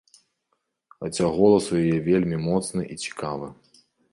Хаця голас у яе вельмі моцны і цікавы.